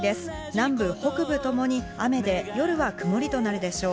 南部、北部ともに雨で、夜は曇りとなるでしょう。